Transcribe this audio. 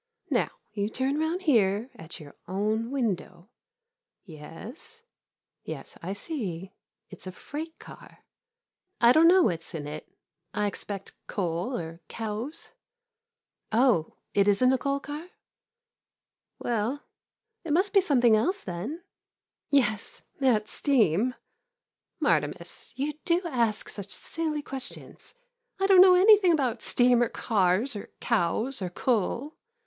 Now, you turn round here at your own window. Yes — yes, I see — it 's a freight car. I don't know what 's in it — I expect coal — or cows. Oh, is n't it a coal car ? Well — it must be something else, then. Yes, that's steam — Martimas, you do ask such silly questions ! I don't know anything about steam or cars or cows or coal!